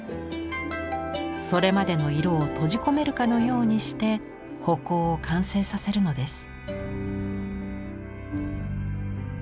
それまでの色を閉じ込めるかのようにして葆光を完成させるのです。